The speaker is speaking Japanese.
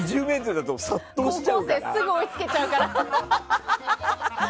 ２０ｍだと高校生すぐ追いつけちゃうから。